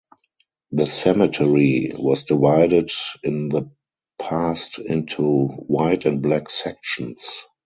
The cemetery was divided in the past into white and black sections.